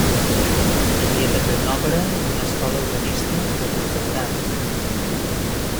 Hi havia també una òpera i una escola organista de curta durada.